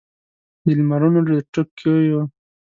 د لمرونو د ټکېو